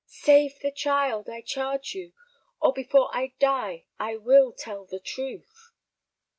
Save the child, I charge you, or before I die I will tell the truth."